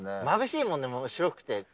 まぶしいもんね、白くて。